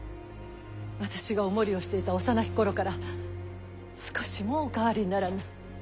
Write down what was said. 私がお守りをしていた幼き頃から少しもお変わりにならぬ。